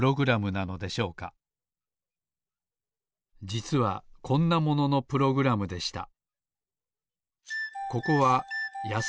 じつはこんなもののプログラムでした。